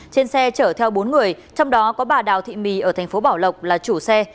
trên xe chở theo bốn người trong đó có bà đào thị my ở thành phố bảo lộc là chủ xe